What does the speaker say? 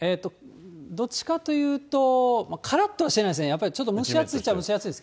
どっちかというと、からっとはしてないですね、やっぱりちょっと蒸し暑いっちゃ蒸し暑い。